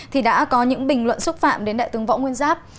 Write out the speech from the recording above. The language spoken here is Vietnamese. thì đã có những bình luận xúc phạm đến đại tướng võ nguyên giáp